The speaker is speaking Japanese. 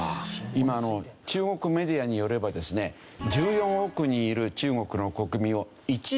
今中国メディアによればですね１４億人いる中国の国民を１秒で特定できるそうです。